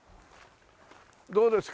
どうですか？